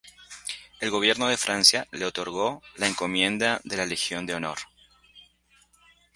El Gobierno de Francia le otorgó la Encomienda de la Legión de Honor.